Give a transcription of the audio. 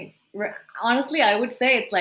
ini adalah kontribusi besar dari semua